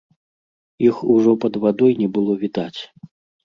Іх ужо пад вадой не было відаць.